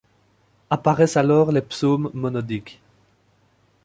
Apparaissent alors les psaumes monodiques.